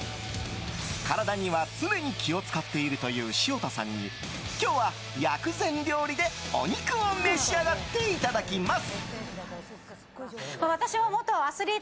体には常に気を使っているという潮田さんに今日は薬膳料理でお肉を召し上がっていただきます。